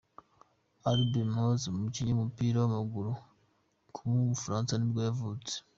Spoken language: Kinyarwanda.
Albin Hodza, umukinnyi w’umupira w’amaguru w’umufaransa nibwo yavutse.